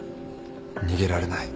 逃げられない。